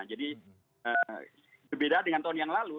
jadi berbeda dengan tahun yang lalu